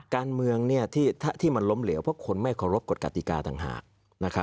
การเมืองที่มันล้มเหลวเพราะคนไม่เคารพกฎกติกาต่างหาก